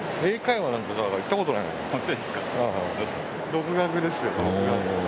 独学ですよ独学。